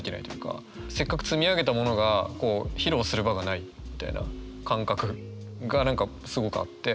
せっかく積み上げたものが披露する場がないみたいな感覚が何かすごくあって。